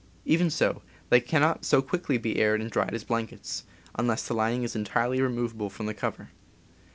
Even so, they cannot so quickly be aired and dried as blankets, unless the lining is entirely removable from the cover.